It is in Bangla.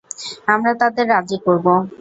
আমরা তাদের রাজী করব।